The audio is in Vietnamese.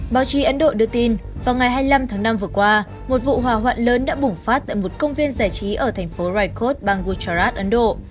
báo chí ấn độ đưa tin vào ngày hai mươi năm tháng năm vừa qua một vụ hòa hoạn lớn đã bủng phát tại một công viên giải trí ở thành phố raikot bang gujarat ấn độ